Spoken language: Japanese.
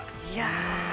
いや。